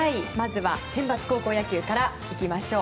センバツ高校野球からいきましょう。